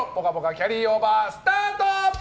キャリーオーバースタート！